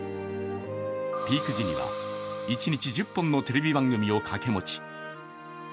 ピーク時には、一日１０本のテレビ番組を掛け持ち。